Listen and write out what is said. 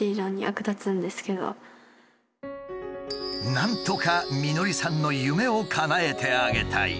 なんとか美典さんの夢をかなえてあげたい。